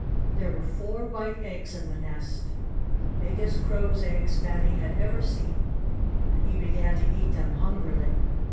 There were four white eggs in the nest the biggest crow's eggs Fatty had ever seen. And he began to eat them hungrily.